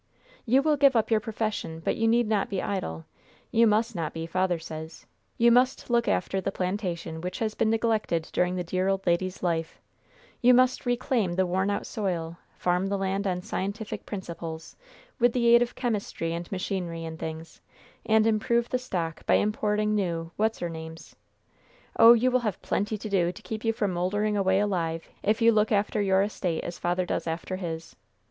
"You will give up your profession, but you need not be idle. You must not be, father says. You must look after the plantation, which has been neglected during the dear old lady's life; you must reclaim the worn out soil; farm the land on scientific principles, with the aid of chemistry and machinery and things, and improve the stock by importing new what's er names. Oh, you will have plenty to do to keep you from moldering away alive, if you look after your estate as father does after his.